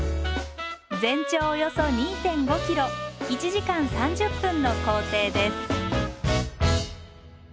全長およそ２．５ｋｍ１時間３０分の行程です。